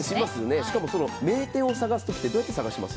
しかも名店を探すときってどうやって探します？